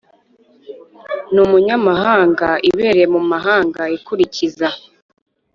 n umunyamahanga ibereye mu mahanga ikurikiza